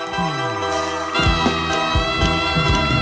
กลับไปที่นี่